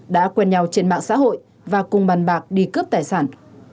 đã quen nhau trên mạng xã hội và cùng bàn bạc đi cướp tài sản